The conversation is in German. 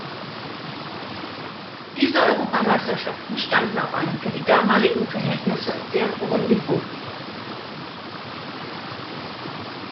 Diese Europameisterschaften standen auf einem für die damaligen Verhältnisse sehr hohen Niveau.